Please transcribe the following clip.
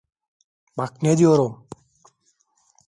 Bak ne diyorum.